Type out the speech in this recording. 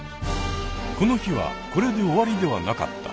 この日はこれで終わりではなかった。